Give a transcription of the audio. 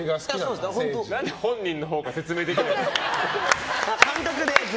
何で本人のほうが説明できないんだよ。